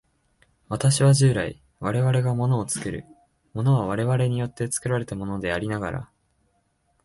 私は従来、我々が物を作る、物は我々によって作られたものでありながら、